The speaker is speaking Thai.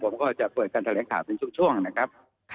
ผมก็จะเปิดการแถลงสร้างเป็นช่วงนะครับ